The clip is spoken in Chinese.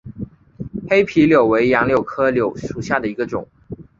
黑皮柳为杨柳科柳属下的一个种。